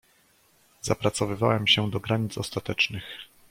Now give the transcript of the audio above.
"Zapracowałem się do granic ostatecznych."